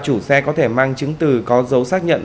chủ xe có thể mang chứng từ có dấu xác nhận